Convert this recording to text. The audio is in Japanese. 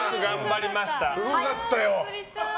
すごかったよ！